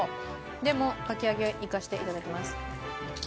でもかき揚げいかせて頂きます。